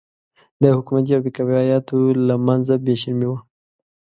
د حکومتي او بې کفایتو له منځه بې شرمي وه.